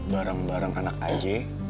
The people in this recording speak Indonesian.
bareng bareng anak aj